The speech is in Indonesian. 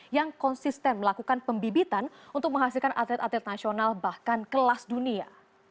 yang konsisten melakukan pembibitan untuk menghasilkan atlet atlet nasional bahkan kelas dunia